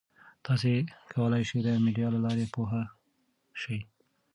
تاسي کولای شئ د میډیا له لارې پوهه شئ.